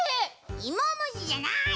いもむしじゃない！